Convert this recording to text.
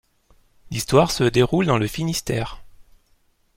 L’histoire se déroule dans le Finistère.